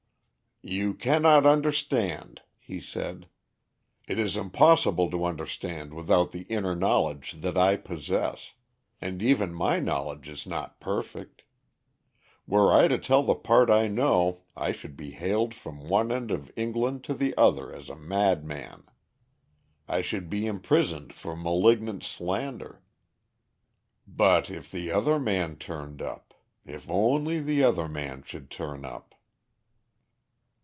"You cannot understand," he said. "It is impossible to understand without the inner knowledge that I possess, and even my knowledge is not perfect. Were I to tell the part I know I should be hailed from one end of England to the other as a madman. I should be imprisoned for malignant slander. But if the other man turned up if only the other man should turn up!"